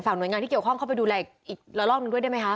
หน่วยงานที่เกี่ยวข้องเข้าไปดูแลอีกละลอกหนึ่งด้วยได้ไหมคะ